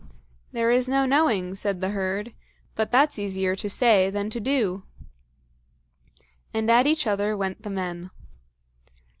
"There is no knowing," said the herd, "but that's easier to say than to do." And at each other went the men.